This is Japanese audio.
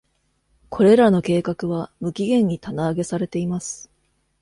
これらの計画は無期限に棚上げされています。